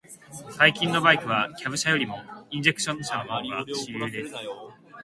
最近のバイクは、キャブ車よりもインジェクション車が主流です。